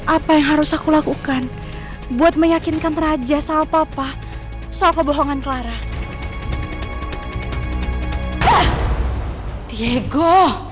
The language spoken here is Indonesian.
apa yang harus aku lakukan buat meyakinkan raja sama papa soal kebohongan clara diego